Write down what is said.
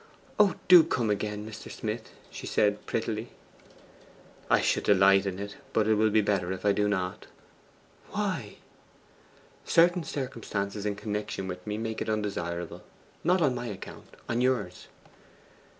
'Oh, DO come again, Mr. Smith!' she said prettily. 'I should delight in it; but it will be better if I do not.' 'Why?' 'Certain circumstances in connection with me make it undesirable. Not on my account; on yours.